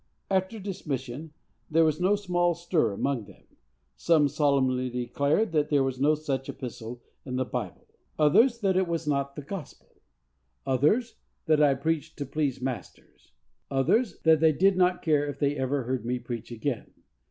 After dismission, there was no small stir among them: some solemnly declared that there was no such epistle in the Bible; others, "that it was not the gospel;" others, "that I preached to please masters;" others, "that they did not care if they ever heard me preach again."